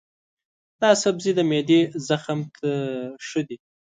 دا سبزی د معدې زخم ته ښه دی.